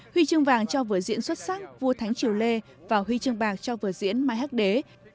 huy trương vàng cho vừa diễn xuất sắc vua thánh triều lê và huy trương bạc cho vừa diễn mai hắc đế